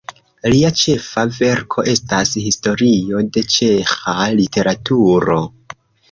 Lia ĉefa verko estas Historio de ĉeĥa literaturo.